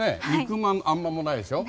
肉まんあんまんもないでしょ。